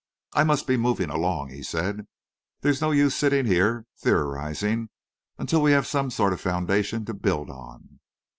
"I must be moving along," he said. "There's no use sitting here theorising until we have some sort of foundation to build on."